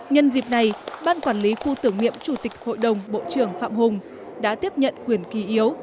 nhân dịp này ban quản lý khu tưởng niệm chủ tịch hội đồng bộ trưởng phạm hùng đã tiếp nhận quyền kỳ yếu